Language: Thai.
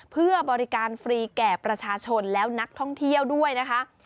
เพื่อบริการฟรีแก่ประชาชนและนักท่องเที่ยวด้วยนะคะ